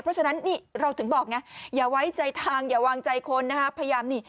เพราะฉะนั้นเราถึงบอกอย่าไว้ใจทางอย่าวางใจคนนะครับ